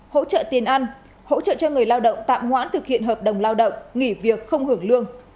hỗ trợ tiền ăn hỗ trợ cho người lao động tạm hoãn thực hiện hợp đồng lao động nghỉ việc không hưởng lương